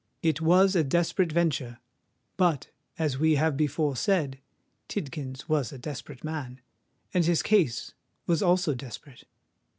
It was a desperate venture: but—as we have before said—Tidkins was a desperate man—and his case was also desperate!